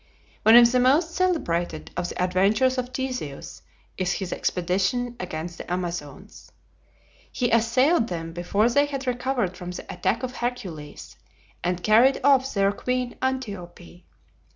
One of the most celebrated of the adventures of Theseus is his expedition against the Amazons. He assailed them before they had recovered from the attack of Hercules, and carried off their queen Antiope.